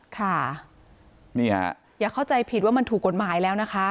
ค่ะนี่ฮะอย่าเข้าใจผิดว่ามันถูกกฎหมายแล้วนะคะ